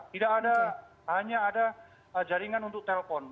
tidak ada hanya ada jaringan untuk telpon